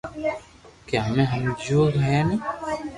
ڪي ھمي ھمجيو ھي ني